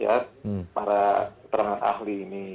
ya para keterangan ahli ini